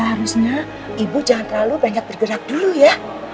elsa seharusnya ibu jangan terlalu banyak bergerak dulu ya